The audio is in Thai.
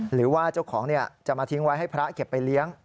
หรือว่าเจ้าของจะมาทิ้งไว้ให้พระเก็บไปเลี้ยง